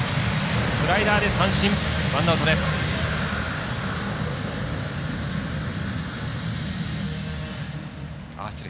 スライダーで三振、ワンアウト。